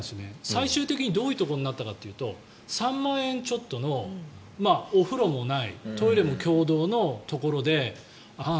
最終的にどういうところになったかというと３万円ちょっとのお風呂もないトイレも共同のところでああ